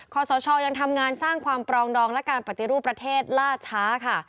ขอสชยังทำงานสร้างความปรองดองและการปฏิรูปประเทศล่าช้าค่ะ